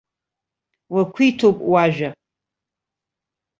Уақәиҭуп уажәа.